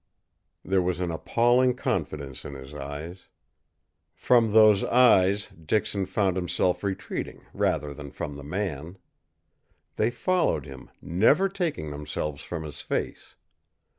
There was an appalling confidence in his eyes. From those eyes Dixon found himself retreating rather than from the man. They followed him, never taking themselves from his face.